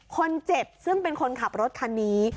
คนเจ็บซึ่งเป็นคนขับรถคันนี้